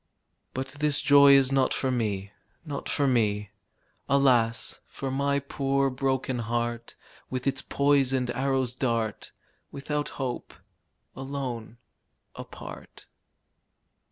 But this joy is not for me, Not for me. Alas! for my poor broken heart, With its poisoned arrow's dart. Without hope, alone, apart.